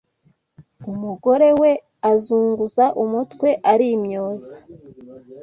umugore we azunguza umutwe arimyoza